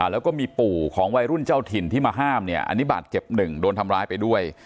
แล้วก็มีปู่ของวัยรุ่นเจ้าถิ่นที่มาห้ามเนี่ยอันนี้บาดเจ็บหนึ่งโดนทำร้ายไปด้วย